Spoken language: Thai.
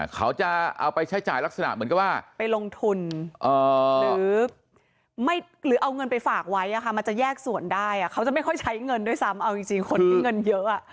เขาจะเอาไปใช้จ่ายลักษณะเหมือนกับว่าไปลงทุนหรือเอาเงินไปฝากไว้มันจะแยกส่วนได้เขาจะไม่ค่อยใช้เงินด้วยซ้ำเอาจริงคนที่เงินเยอะ